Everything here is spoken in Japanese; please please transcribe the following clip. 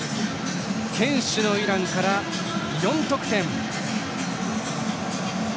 堅守のイランから４得点。